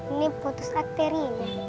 ini putus arterinya